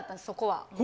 そこは。